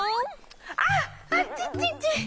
あっあっちちち！